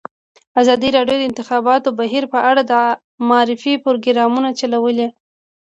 ازادي راډیو د د انتخاباتو بهیر په اړه د معارفې پروګرامونه چلولي.